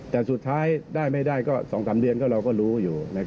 แต่สุดท้ายได้ไม่ได้ก็๒๓เดือนเราก็รู้อยู่